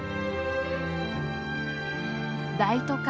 大都会